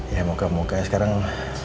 ya muka muka ya sekarang